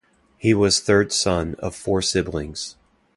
He was third son of four siblings.